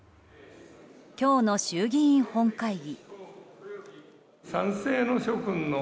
今日の衆議院本会議。